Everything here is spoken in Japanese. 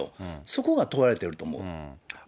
そこが問われていると思う。